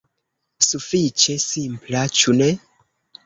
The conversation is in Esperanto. Sufiĉe simpla, ĉu ne?